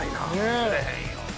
崩れへんよ。